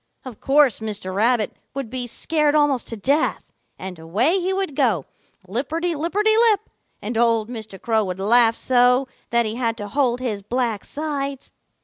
Of course Mr. Rabbit would be scared almost to death, and away he would go, lipperty lipperty lip, and old Mr. Crow would laugh so that he had to hold his black sides.